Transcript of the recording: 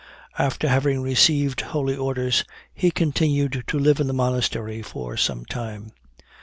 After having received holy orders, he continued to live in the monastery for some time.